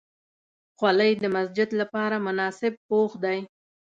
خولۍ د مسجد لپاره مناسب پوښ دی.